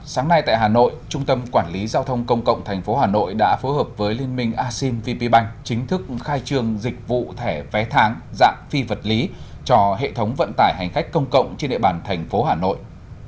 sáng nay tại hà nội trung tâm quản lý giao thông công cộng tp hà nội đã phối hợp với liên minh asean vp bank chính thức khai trường dịch vụ thẻ vé tháng dạng phi vật lý cho hệ thống vận tải hành khách công cộng trên địa bàn thành phố hà nội